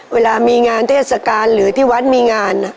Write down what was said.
เวลามีงานเทศกาลหรือที่วัดมีงาน